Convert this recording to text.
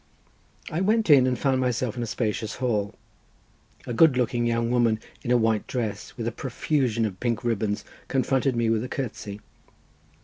I went in and found myself in a spacious hall. A good looking young woman in a white dress, with a profusion of pink ribbons confronted me with a curtsey.